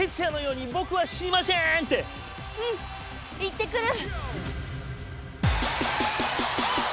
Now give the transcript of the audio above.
うん行ってくる！